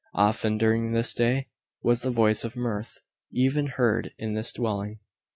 Often, during this day, was the voice of mirth even heard in this dwelling.